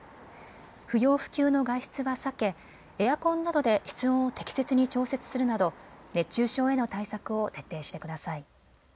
不要不急の外出は避けエアコンなどで室温を適切に調節するなど熱中症への対策を徹底してください。